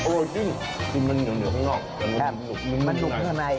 อร่อยจริงมันเหนียวข้างนอกแต่มันลุกข้างใน